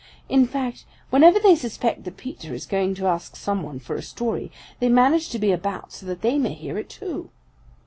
In fact, whenever they suspect that Peter is going to ask some one for a story, they manage to be about so that they may hear it too.